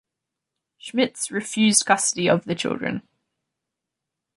Schmitz refused custody of the children.